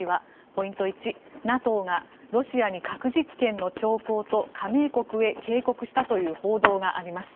ポイント１ＮＡＴＯがロシアに核実験の兆候と加盟国へ警告したという報道があります。